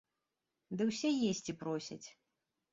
Ды ўсе есці просяць.